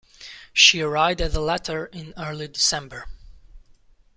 She arrived at the latter in early December.